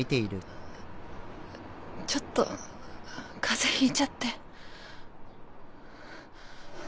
ちょっと風邪ひいちゃって。